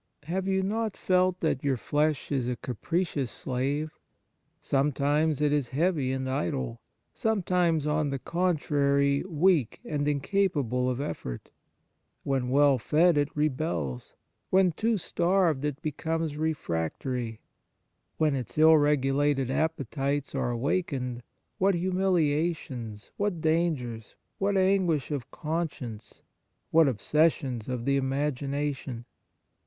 Have you not felt that your flesh is a capricious slave ? Sometimes it is heavy and idle, sometimes, on the contrary, weak and incapable of •effort. When well fed, it rebels; 77 On Piety when too starved, it becomes refrac tory. When its ill regulated appe tites are awakened, what humilia tions, what dangers, what anguish of conscience, what obsessions of the imagination